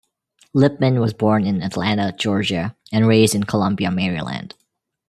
Lippman was born in Atlanta, Georgia, and raised in Columbia, Maryland.